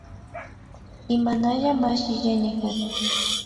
Imanalla mashi Jenyfer